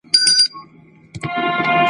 او که برعکس، `